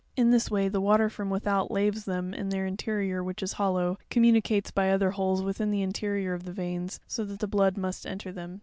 In this way the water from without laves them, and their interior, which is hollow, communicates by other holes with the interior of the veins, so that the blood must enter them.